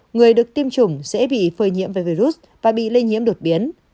người được tiêm chủng dễ bị phơi nhiễm về virus và bị lây nhiễm đột biến